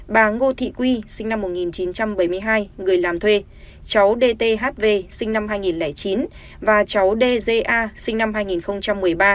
bà ngô thị quy sinh năm một nghìn chín trăm bảy mươi hai người làm thuê cháu dthv sinh năm hai nghìn chín và cháu dza sinh năm hai nghìn một mươi ba